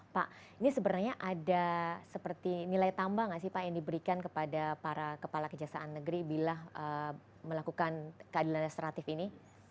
pak ini sebenarnya ada seperti nilai tambah nggak sih pak yang diberikan kepada para kepala kejaksaan negeri bila melakukan keadilan restoratif ini